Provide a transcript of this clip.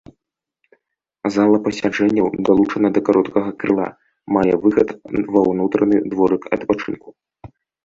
Зала пасяджэнняў далучана да кароткага крыла, мае выхад ва ўнутраны дворык адпачынку.